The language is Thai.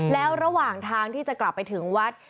แล้วระหว่างทางที่จะกลับไปถึงวัด